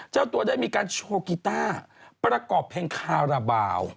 เจ้าตัวได้มีการโชว์กีต้าประกอบเพลงคาราบาล